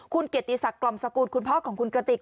คุณเกียรติศักดิ์กล่อมสกุลคุณพ่อของคุณกระติก